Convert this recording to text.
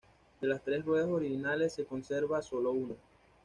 De las tres ruedas originales, se conserva solo una.